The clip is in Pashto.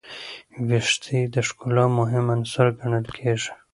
ویښتې د ښکلا مهم عنصر ګڼل کېږي.